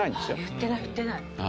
言ってない言ってない。